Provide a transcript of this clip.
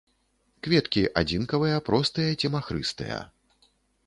Кветкі адзінкавыя простыя ці махрыстыя.